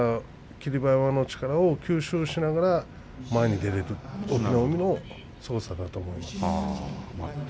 霧馬山の力を吸収しながら前に出ていくということだと思います。